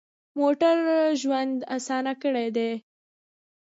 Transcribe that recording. موټر ژوند اسان کړی دی.